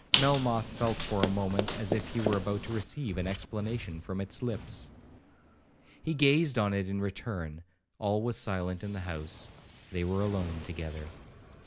Melmoth felt for a moment as if he were about to receive an explanation from its lips. He gazed on it in return,—all was silent in the house,—they were alone together.